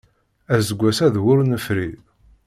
Aseggas-a d wur nefri.